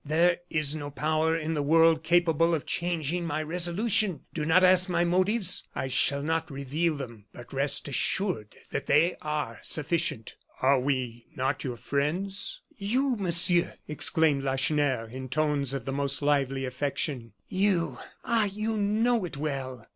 There is no power in the world capable of changing my resolution. Do not ask my motives; I shall not reveal them; but rest assured that they are sufficient." "Are we not your friends?" "You, Monsieur!" exclaimed Lacheneur, in tones of the most lively affection, "you! ah! you know it well!